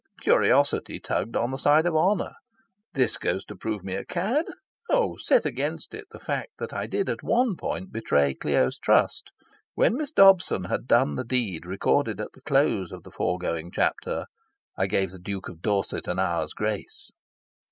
Curiosity tugged on the side of honour. This goes to prove me a cad? Oh, set against it the fact that I did at one point betray Clio's trust. When Miss Dobson had done the deed recorded at the close of the foregoing chapter, I gave the Duke of Dorset an hour's grace.